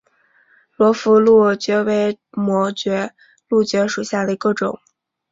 罗浮蕗蕨为膜蕨科蕗蕨属下的一个种。